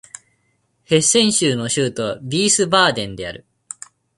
ヘッセン州の州都はヴィースバーデンである